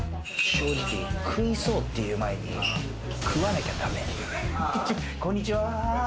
食いそうって言う前に食わなきゃ駄目。